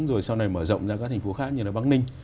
rồi sau này mở rộng ra các thành phố khác như là bắc ninh